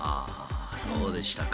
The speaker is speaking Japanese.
そうでしたか。